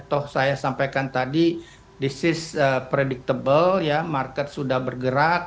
toh saya sampaikan tadi this is predictable ya market sudah bergerak